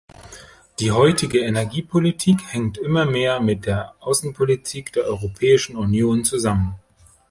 Die heutige Energiepolitik hängt immer mehr mit der Außenpolitik der Europäischen Union zusammen.